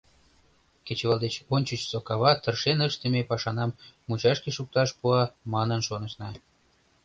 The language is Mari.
Кечывал деч ончычсо кава тыршен ыштыме пашанам мучашке шукташ пуа манын шонышна.